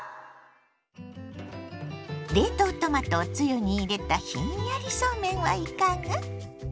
冷凍トマトをつゆに入れたひんやりそうめんはいかが？